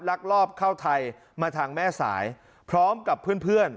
ลักลอบเข้าไทยมาทางแม่สายพร้อมกับเพื่อน